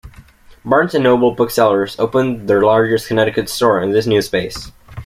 Barnes and Noble Booksellers opened their largest Connecticut store in this new space.